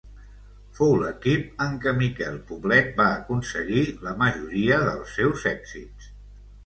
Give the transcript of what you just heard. Fou l'equip en què Miquel Poblet va aconseguir la majoria dels seus èxits.